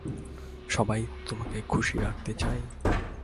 সবাই তোমাকে খুশি রাখতে চায়?